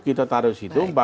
kita taruh di situ